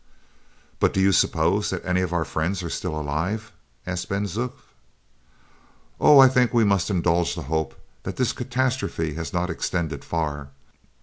"But do you suppose that any of our friends are still alive?" asked Ben Zoof. "Oh, I think we must indulge the hope that this catastrophe has not extended far.